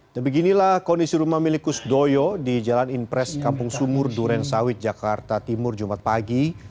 dan beginilah kondisi rumah milikus doyo di jalan impres kampung sumur duren sawit jakarta timur jumat pagi